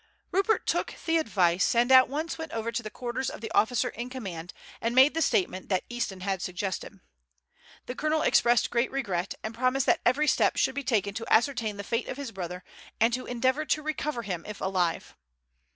Rupert took the advice, and at once went over to the quarters of the officer in command and made the statement that Easton had suggested. The colonel expressed great regret, and promised that every step should be taken to ascertain the fate of his brother and to endeavour to recover him if alive.